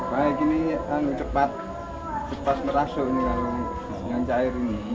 pak ya ini kan cepat merasuk dengan cair ini